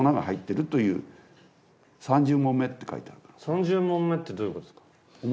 三拾匁ってどういうことですか？